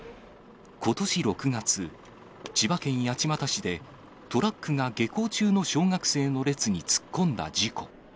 ことし６月、千葉県八街市で、トラックが下校中の小学生の列に突っ込んだ事故。